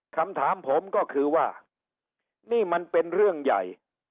คำถามผมก็คือว่านี่มันเป็นเรื่องใหญ่